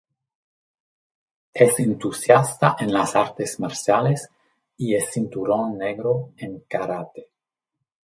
Es entusiasta en las artes marciales y es cinturón negro en karate.